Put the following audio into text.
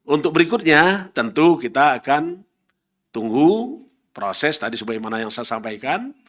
untuk berikutnya tentu kita akan tunggu proses tadi sebagaimana yang saya sampaikan